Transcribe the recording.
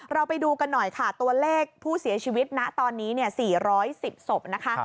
ไปดูกันหน่อยค่ะตัวเลขผู้เสียชีวิตณตอนนี้๔๑๐ศพนะคะ